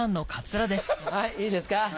はいいいですか？